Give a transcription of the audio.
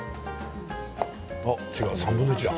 あ、違う、３分の１だ。